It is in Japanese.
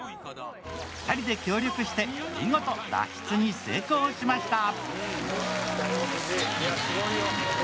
２人で協力して見事脱出に成功しました。